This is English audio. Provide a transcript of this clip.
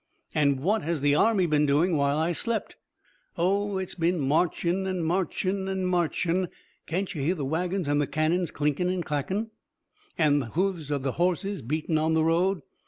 "And what has the army been doing while I slept?" "Oh, it's been marchin' an' marchin' an' marchin'. Can't you hear the wagons an' the cannons clinkin' an' clankin'? An' the hoofs of the horses beatin' in the road?